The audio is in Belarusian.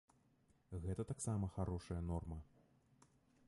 Гэта таксама харошая норма.